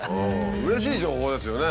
うれしい情報ですよね。